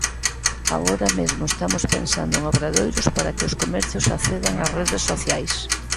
Agora mesmo estamos pensando en obradoiros para que os comercios accedan ás redes sociais.